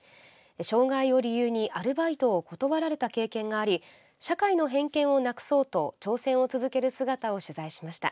障害を理由にアルバイトを断られた経験があり社会の偏見をなくそうと挑戦を続ける姿を取材しました。